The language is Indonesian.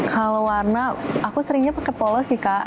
kalau warna aku seringnya pakai polo sih kak